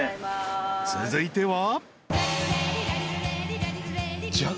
［続いては］